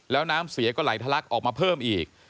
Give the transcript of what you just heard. แล้วน้ำเสียก็ไหลทะลักออกมาเพิ่มอีก